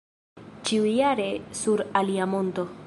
Ĉiujare sur alia monto.